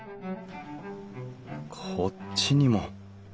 こっちにも。